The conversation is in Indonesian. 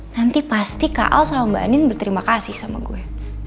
nanti pasti kak al sama mbak anin berterima kasih sama gue